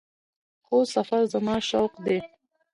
هو، سفر زما شوق دی